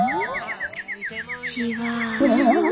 じわ。